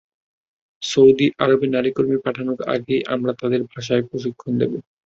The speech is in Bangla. সৌদি আরবে নারী কর্মী পাঠানোর আগেই আমরা তাঁদের ভাষার প্রশিক্ষণ দেব।